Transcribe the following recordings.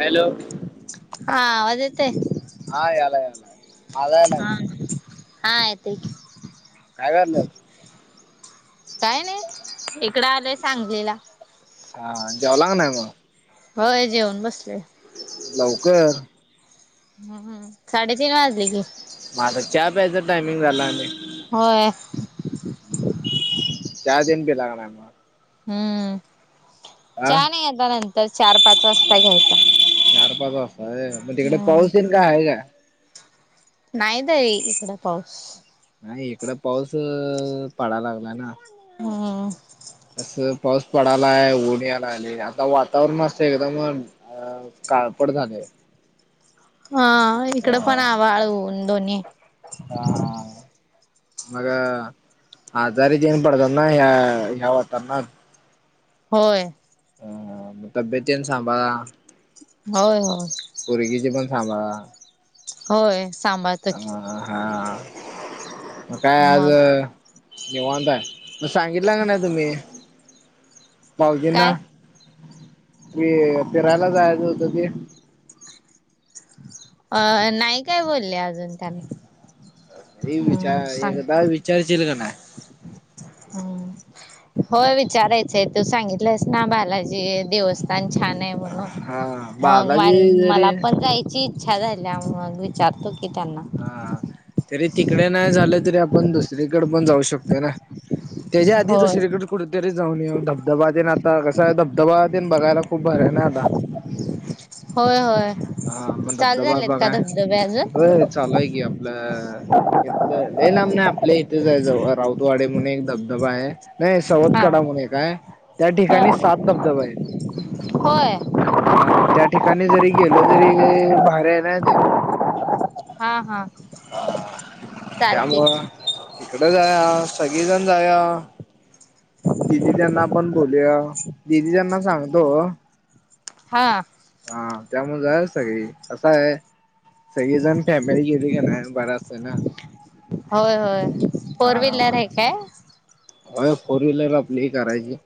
Hello! आ आवाज येत नाही. हा याला याला माझा याला येतय हा येतय की. काय कराल्यास? काय नाही इकडं आलोय सांगलीला. छान जेवला काय नाही मग? होय जेऊन बसलोय. लवकर. हम् साडे तीन वाजले की. माझा घ्या प्यायच टायमिंग झाला आणि. होय. चहा तेन पिला का नाय. हम्म हा चाहा नाही आता नंतर चार पाच वाजता घ्यायचा. चार पाच वाजता मग तिकडे हम्म पाऊस तेन कात आहे का? नाही नाहीई इकडे पाऊस. नाही इकड पाऊस पाडा लागला ना. हम्म. अस पाऊस पडायला आहे उन यायल आली आता वातावरण मस्ं एकदम अ काळपड झाले. हा इकड हा पण आभाळ ऊन दोन्ही आहे. हा हा मग ह आजारी देईन पडतातना ह्या ह्या होताना. होय. ह म तब्येतन सांभाळा. होय होय. पुर्गीचे पण सांभाळा. होय. सांभाळतो की ह हा मग काय आज. मग निवाताय म सांगितलं का नाही तुम्ही भाऊजींना. काय? क फिरायला जायचं होत ते. अ नाही काय बोलले अजून त्यांना. ह विचार एकदा विचारशील का नाही. हम. हो विचारायचंय तू सांगितलंस ना बालाजी देवस्थान छान. म्हणून हा बालाजी मग जरी मला पण जायची. छान झालेल्या मग विचारतो की त्यांना. हा तरी तिकडे नाही झाले तरी आपण दुसरीकडे पण जाऊ शकतोय ना. त्याच्या आधी होय दुसरीकडे. कुठेतरी जाऊन ये धबधब्यान आता कसं आहे धबधबा्यान बघायला खूप बरं आहे ना आता. होय होय. हा पण चालू धबधबा झालेत का बघाय धबधबे अजून र चालूय की आपल्या. हे लांब नाही आपल्या इथेच आहे राऊतवाडे म्हणून एक धबधबा आहे. नाही सवत हा कडा म्हण काय त्या ठिकाणी सात धबधबा आहे. होय हा मग त्या ठिकाणी जरी गेल तरी बाहेर आहे ना ते हा हा चालते. त्यामुळं इकडं जा सगळेजण जावया. दिदी त्यांना पण बोलूया दीदी त्यांना सांगतो. हा. हा त्यामुळे जायच सगळे कस आहे. सगळीजण फॅमिली गेली का नाही बरा असत ना. होय होय फोर व्हीलर हे काय? हो फोर व्हीलर आपली करायची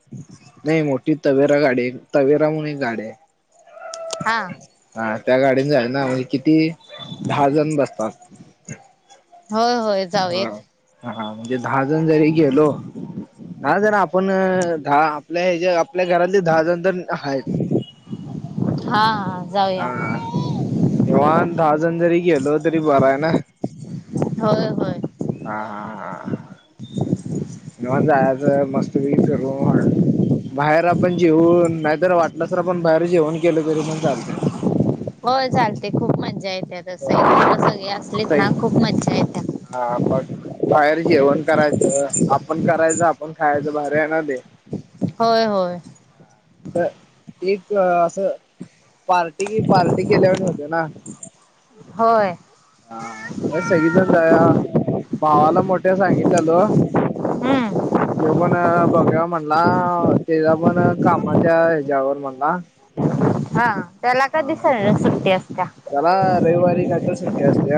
नाही मोठ. ती तवेरा गाडी तवेरा म्हणून एक गाडी आहे. हा. हा त्या गाडीने जायाच ना म्हणजे किती दहा जण बसतात. हो होय जाऊया ह. की. हा म्हणजे दहा जण जरी गेलो. ह ज आपण दहा आपल्या घरातले ज आपल्या घरातले दहा जण तर आहेत. हा हा हा जाऊया निवांत दहा जनी जरी गेलो तरी बर आहे ना. हो ह. हा हा हा. मव्हा जायचं मस्त ब करू. बाहेर आपण जेऊन नाहीतर वाटलं तर आपण बाहेर जेवून केलं तरी पण चालत. हो चालते खूप मज्जा येते तस चालतंय. सगळे असलेत सई ना खूप मज्जा येत. हा मग. बाहेर जेवण करायचं आपण करायचं आपण खायचं बाहेर येणार दे. होय होय. तर एक असं. पार्टी पार्टी केल्यावर होते ना. होय. हा सगजण जा भावाला मोठ्या सांगितल्यालो हम्म ह. तेव पण बघावा म्हणला तेला पण कामाच्या ह्याच्यावर म्हणला. हा त्याला का हा दिसा सुट्टी असत्या. त्याला रविवारी काय तर सुट्टी असते.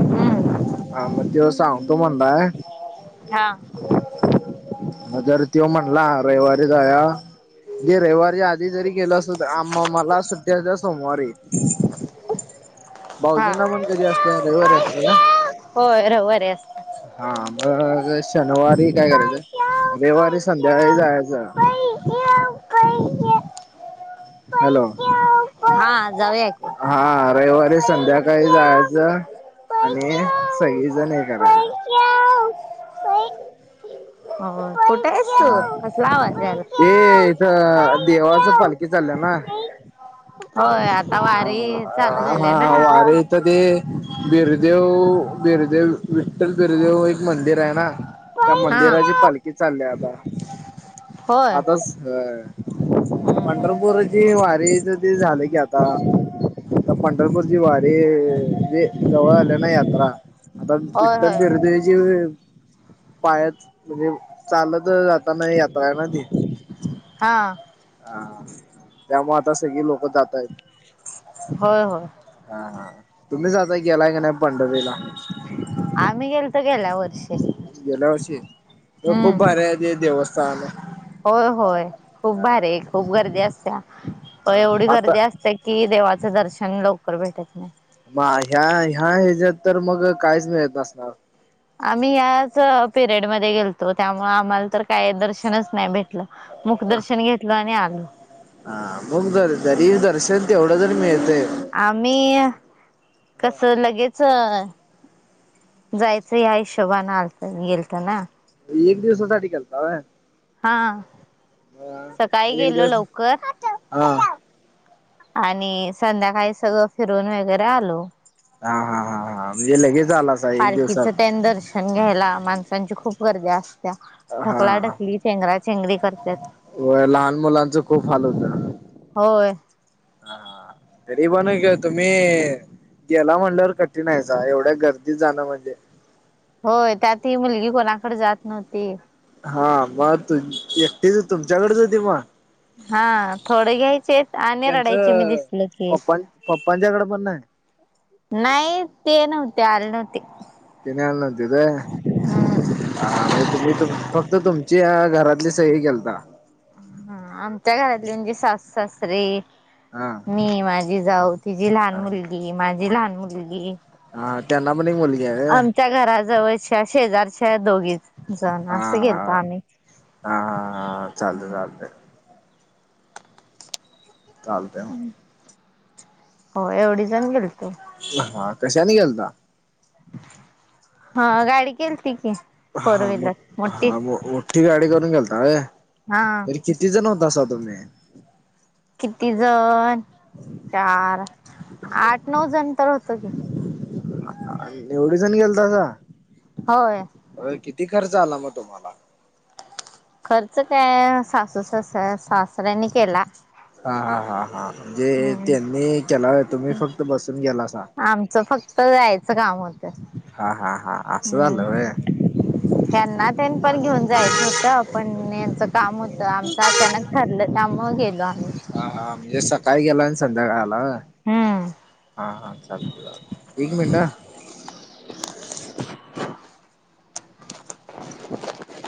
हम्म हा मग तो सांगतो म्हणताय. हा. ह जर तव म्हणला रविवारी जावया. म्हे रविवारीच्या आधी जरी गेल असतो तर आ मला सुट्ट्याच्या सोमवारी येत. ह. भाऊजींना पण कधी असते रविवारी असते का? होय रविवारी असत्या. हा मग शनिवारी काय करायचं रविवारी संध्याकाळी जायचं. हॅलो! हा जाऊया. की. हा रविवारी संध्याकाळी जायचं. आणि सगजण हे करायची. या. ते हो कुठे आहेस तू कसला आवाजला. ते इथं देवाचं पालखी चाललं ना होय आता वारी चाल. हा हा आरे. इथ ते बिरदेव बिरदेव विठ्ठल बिरदेव एक मंदिर आहे ना. हा त्या मंदिराची पालखी चालली आता. होय आताच ह हम्म हम्म पंढरपूर ज वारीच ते झालं की आता. आ तर पंढरपूरची वारी जवळ आल्या ना यात्रा. आता होय विटल होय वेे पाया म्हणजे चालत जातना यात्रा ना. हा. हा त्यामुळे आता सगळी लोक जातय होय हो हा हा तुम्ही जाताय गेलाय का नाही पंढरीला आम्ही गेलत गेल्या वर्षी गेल्या वर्षी खूप हम्म भारी हाय ते देवस्थान होय होय खूप भारी खूप गर्दी असत्या एवढी आता गर्दी असते कि देवाचं दर्शन लवकर भेटत नाही म ह्या ह्या ह्याच्यात तर मग काहीच मिळत नसणार आम्ही याच पिरियड मध्ये गेलतो त्यामु आम्हाला तर काय दर्शनच नाही भेटलं मुखदर्शन घेतलं आणि आलो हा मग ज जरी दर्शन तेवढं जरी मिळतय आम्ही कस लगेच जायचं या हिशोबान आलयत गेलोतो ना एक दिवसासाठी गेलंत होय हां सकाळी एक गेलो दिवस लवकर हा आणि संध्याकाळी सगळं फिरून वगैरे आलो हां हां हां म्हणजे लगेच आलात पालखीचं त्यानी दर्शन घ्यायला माणसांची खूप गर्दी असते हा ढकलाढकली चेंगरा चेंगरी करत्यात होय लहान मुलांचे खूप हाल होतात होय हां हां तरी बणू का तुम्ही गेला म्हणल्यावर कठीण आहेसा एवढ्या गर्दीत जाणं म्हणजे होय त्यात ही मुलगी कोणाकडे जात नव्हती हा मग तु एकटीच तुमच्याकडेच होती मग हा थोडे घ्यायचे आणि रडायची मी त्यांचं दिसल की पप्पां पप्पांच्याकडे पण नाही नाही ते नव्हते आले नव्हते तेनि अली न्हवतीत होय हा हा म्हणजे तुम्ही तु फक्त तुमची घरातली सई केलता ह आमच्या घरातली म्हणजे सासू सासरे हां मी माझी जाऊ तिझी लहान मुलगी माझी लहान मुलगी हां त्यांना पण एक मुलगी आहे त्या घराजवळच्या शेजारच्या या दोघीच हां हां हां हां चाल हम्म चालतय चालतंय हो एवढी जण गेलोतो हां कशा नी गेलत हां गाडी केली होती की फोर हा मो व्हीलर मोठी हा मो मोठी गाडी करून गेलात हा व्हय किती जण होता सा तुम्ही किती जण चार आठ नऊ जण तर होतं की, एवढे जण गेलतासा होय होयं किती खर्च आला मग तुम्हाला खर्च काय सासू स सासऱ्यांनी केला हां हा हा हा म्हणजे हम्म त्यांनी केला तुम्ही फक्त बसून गेला असा आमचं फक्त जायचं हा हा हा असं हं झालं व्हय त्यांना त्यां पण घेऊन जायचं होतं पण यांचं काम होतं आम अचानक ठरलं त्यामुळे गेलो आम्ही हा हा म्हणजे सकाळी गेला आणि संध्याकाळला आलात व्हय हं हा हा चाल चालतंय एक मिनटं हां